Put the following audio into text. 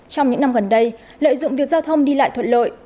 trong những năm gần đây lợi dụng việc giao thông đi lại thuận lợi